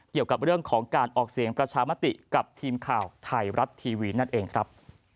เกี่ยวกับเรื่องของการออกเสียงประชามติกับทีมข่าวไทยรัฐทีวีนั่นเองครับ